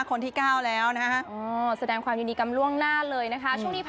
คนที่๙แล้วนะคะแสดงความยินดีกันล่วงหน้าเลยนะคะช่วงนี้พา